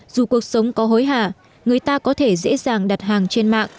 dù cuộc sống có hối hả người ta có thể dễ dàng đặt hàng trên mạng